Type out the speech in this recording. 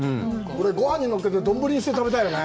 これ、ごはんにのっけて丼にして食べたいよね。